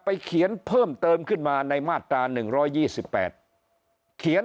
ไปเขียนเพิ่มเติมขึ้นมาในมาตราหนึ่งร้อยยี่สิบแปดเขียน